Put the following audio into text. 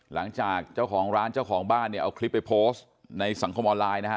หลังจากเจ้าของร้านเจ้าของบ้านเนี่ยเอาคลิปไปโพสต์ในสังคมออนไลน์นะฮะ